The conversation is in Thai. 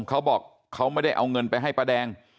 เขาบอกเขาไม่ได้เอาเงินไปให้ป้าแดง